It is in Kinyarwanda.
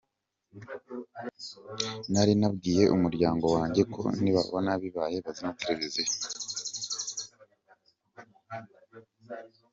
Nari nabwiye umuryango wanjye ko nibabona bibaye bazimya televiziyo.